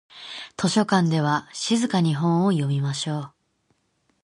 図書館では静かに本を読みましょう。